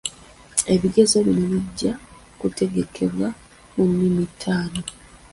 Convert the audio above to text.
Ebigezo bino bijja kutegekebwa mu nnimi taano.